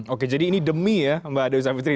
oke jadi ini demi ya mbak dewi savitri